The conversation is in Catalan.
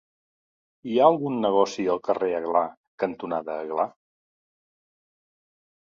Hi ha algun negoci al carrer Aglà cantonada Aglà?